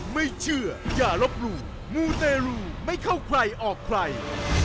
ไม่เชื่ออย่าลบหลู่มูเตรูไม่เข้าใครออกใคร